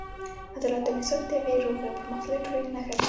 عدالت او انصاف د یوې روغې او پرمختللې ټولنې نښه ده.